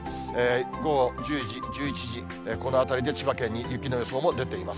午後１０時、１１時、このあたりで千葉県に雪の予想も出ています。